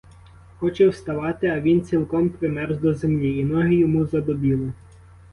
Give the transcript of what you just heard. Хоче вставати, а він цілком примерз до землі і ноги йому задубіли.